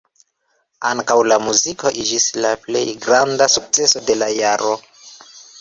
Ankaŭ la muziko iĝis la plej granda sukceso de la jaro.